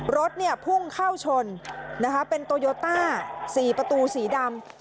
รถเนี่ยพุ่งเข้าชนนะคะเป็นโตโยต้าสี่ประตูสีดำ